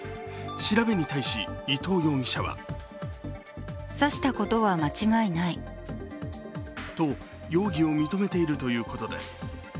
調べに対し、伊藤容疑者はと容疑を認めているということです。